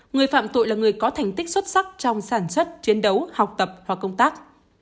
người phạm tội là người có thành tích xuất sắc trong sản xuất chiến đấu học tập và công tác